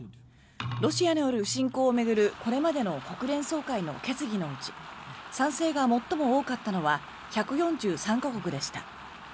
ロシアによる侵攻を巡るこれまでの国連総会の決議のうち賛成が最も多かったのは１４３か国でした。